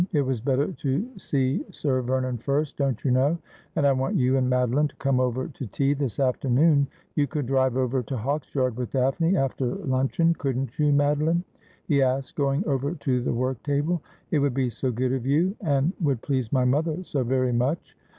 It was better to see Sir Vernon first, don't you know. And I want you and Madeline to come over to tea this afternoon. You could drive over to Hawksyard with Daphne after luncheon, couldn't you, Madeline ?' he asked, going over to the work table. ' It would be so good of you, and would please my mother so very much.'